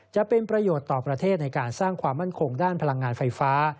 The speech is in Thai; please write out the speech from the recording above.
จะเป็นประโยชน์ต่อประเทศในการสร้างความมั่นคงด้านพลังงานไฟฟ้า